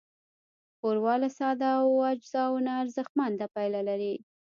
ښوروا له سادهو اجزاوو نه ارزښتمنه پايله لري.